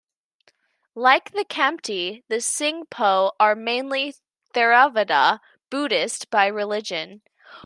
Like the Khampti, the Singpho are mainly Theravada Buddhist by religion.